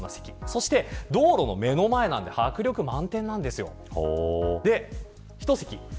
そして、道路の目の前なんで迫力満点なんです。